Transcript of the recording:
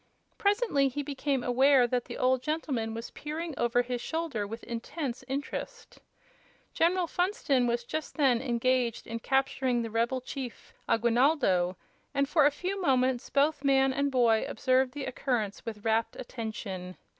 Presently he became aware that the old gentleman was peering over his shoulder with intense interest. General Funston was just then engaged in capturing the rebel chief, Aguinaldo, and for a few moments both man and boy observed the occurrence with rapt attention.